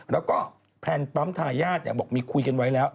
แล้วก็แพลนปั๊มทายาทบอกมีคุยกันไว้แล้ว